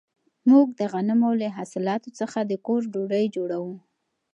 موږ د غنمو له حاصلاتو څخه د کور ډوډۍ جوړوو.